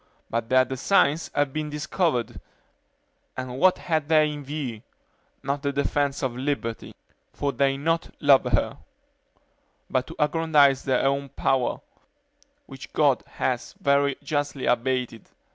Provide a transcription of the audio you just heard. but their designs have been discovered; and what had they in view? not the defense of liberty; for they do not love her; but to aggrandize their own power, which God has very justly abated.